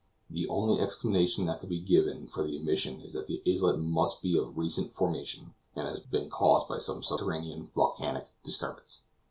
The only explanation that can be given for the omission is that the islet must be of recent formation, and has been caused by some subterranean volcanic disturbance.